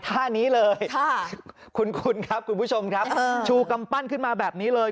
ท่านี้เลยคุ้นครับคุณผู้ชมครับชูกำปั้นขึ้นมาแบบนี้เลย